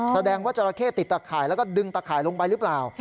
แสดงว่าจราเข้ติดตะข่ายแล้วก็ดึงตะข่ายลงไปหรือเปล่า